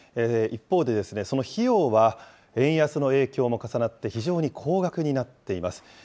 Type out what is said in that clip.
一方で、その費用は円安の影響も重なって非常に高額になっています。